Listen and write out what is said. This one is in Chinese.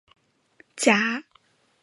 加里波第站是巴黎地铁的一个车站。